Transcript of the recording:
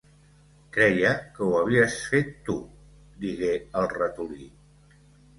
"Creia que ho havies fet tu" digué el ratolí.